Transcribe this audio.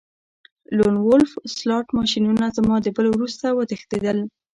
لون وولف سلاټ ماشینونه زما د بل وروسته وتښتیدل